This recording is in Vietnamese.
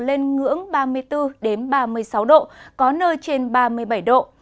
lên ngưỡng ba mươi bốn ba mươi sáu độ có nơi trên ba mươi bảy độ